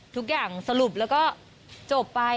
ทุกอย่างสรุปแล้วก็จบไป